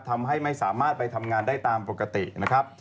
ทำให้ไม่สามารถไปทำงานได้ตามปกตินะครับ